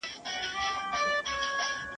¬ د څيلې څه څه گيله؟